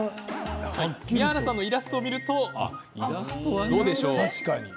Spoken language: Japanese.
宮原さんのイラストを見るとどうでしょう。